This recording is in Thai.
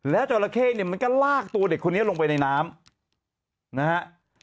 แล้วจราเข้เนี่ยมันก็ลากตัวเด็กคนนี้ลงไปในน้ำนะฮะ